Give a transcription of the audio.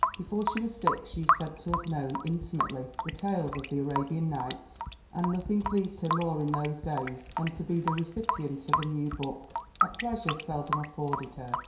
Before she was six she is said to have known inti mately the tales of the Arabian Nights, and nothing pleased her more in those days than to be the recipient of a new book, a pleasure seldom afforded her.